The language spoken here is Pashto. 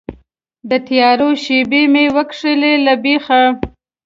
د تیارو شیبې مې وکښلې له بیخه